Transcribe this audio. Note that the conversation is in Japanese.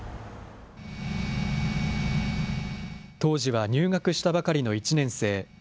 当時は入学したばかりの１年生。